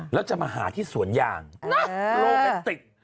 แล้วจะมาหาที่สวนยางโรแมนติก